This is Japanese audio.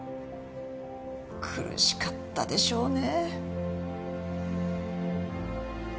苦しかったでしょうね。